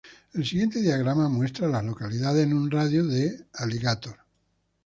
El siguiente diagrama muestra a las localidades en un radio de de Alligator.